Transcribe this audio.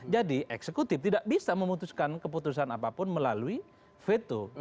jadi eksekutif tidak bisa memutuskan keputusan apapun melalui veto